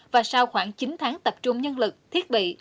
và sau khoảng chín tháng tập trung nhân lực thiết bị